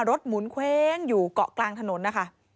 หมุนเว้งอยู่เกาะกลางถนนนะคะ